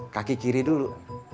kaki kiri dulu